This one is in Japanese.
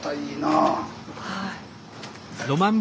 はい。